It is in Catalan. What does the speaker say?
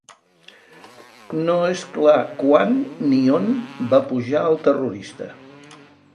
No és clar quan ni on va pujar el terrorista.